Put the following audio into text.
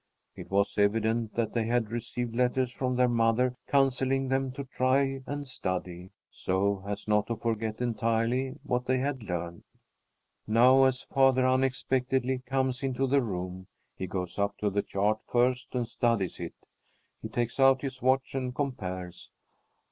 It was evident that they had received letters from their mother counselling them to try and study, so as not to forget entirely what they had learned. Now, as father unexpectedly comes into the room, he goes up to the chart first and studies it. He takes out his watch and compares.